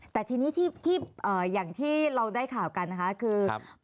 แต่ทีนี้ที่อย่างที่เราได้ข่าวกันนะคะคือ